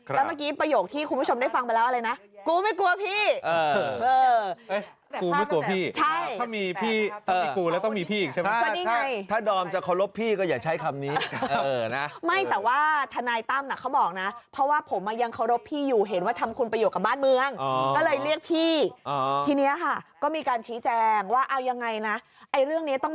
แล้วเมื่อกี้ประโยคที่คุณผู้ชมได้ฟังไปแล้วอะไรนะ